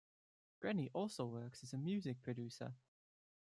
Greni also works as a music producer.